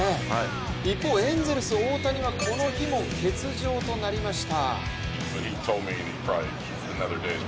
一方、エンゼルス・大谷はこの日も欠場となりました。